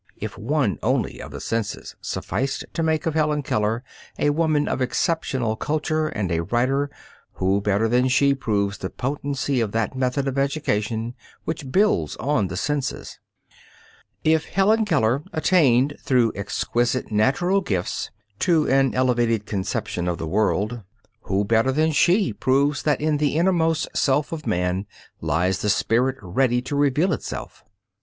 If one only of the senses sufficed to make of Helen Keller a woman of exceptional culture and a writer, who better than she proves the potency of that method of education which builds on the senses? If Helen Keller attained through exquisite natural gifts to an elevated conception of the world, who better than she proves that in the inmost self of man lies the spirit ready to reveal itself?